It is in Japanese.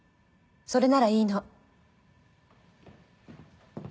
それならいいの。